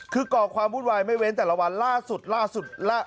คือก่อความวุ่นวายไม่เว้นแต่ละวันล่าสุดล่าสุด